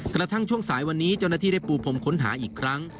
กระทั่งช่วงสายวันนี้เจ้าหน้าที่ได้ปูพรมค้นหาอีกครั้ง